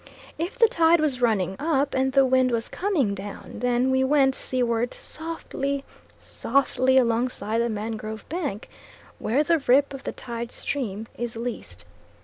If the tide was running up, and the wind was coming down, then we went seaward, softly, softly alongside the mangrove bank, where the rip of the tide stream is least.